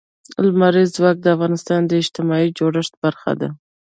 لمریز ځواک د افغانستان د اجتماعي جوړښت برخه ده.